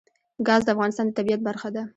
ګاز د افغانستان د طبیعت برخه ده.